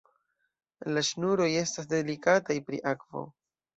La ŝnuroj estas delikataj pri akvo.